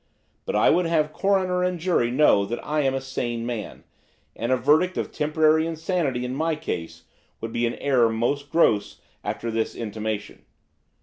But I would have Coroner and Jury know that I am a sane man, and a verdict of temporary insanity in my case would be an error most gross after this intimation.